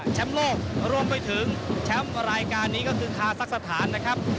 โลกรวมไปถึงแชมป์รายการนี้ก็คือคาซักสถานนะครับ